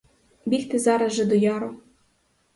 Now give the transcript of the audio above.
Бігти зараз же до яру.